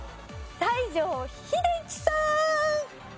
西城秀樹さん！